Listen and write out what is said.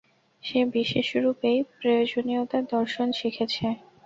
সে বিশেষরূপেই প্রয়োজনীয়তার দর্শন শিখেছে।